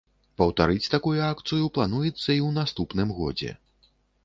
Паўтарыць такую акцыю плануецца і ў наступным годзе.